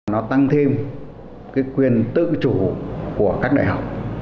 nó tăng thêm quyền tự chủ của các đại học